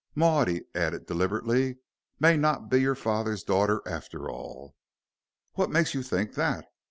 Maud," he added deliberately, "may not be your father's daughter after all." "What makes you think that?"